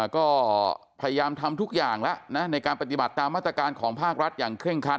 ก็พยายามทำทุกอย่างแล้วนะในการปฏิบัติตามมาตรการของภาครัฐอย่างเคร่งคัด